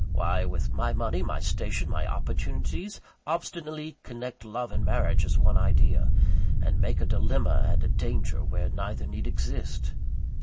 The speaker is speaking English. Why, with my money, my station, my opportunities, obstinately connect love and marriage as one idea; and make a dilemma and a danger where neither need exist?